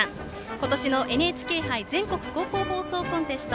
今年のＮＨＫ杯全国高校放送コンテスト